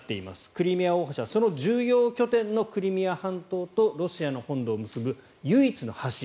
クリミア大橋はその重要拠点のクリミア半島とロシアの本土を結ぶ唯一の橋。